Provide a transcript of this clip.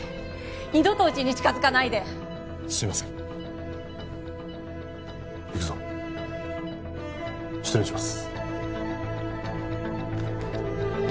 二度とうちに近づかないですいません行くぞ失礼します